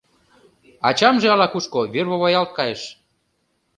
Ачамже ала-кушко вервоваялт кайыш.